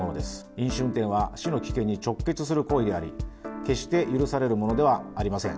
飲酒運転は死の危険に直結する行為であり、決して許されるものではありません。